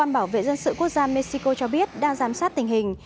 bảo vệ dân sự quốc gia mexico cho biết đang giám sát tình hình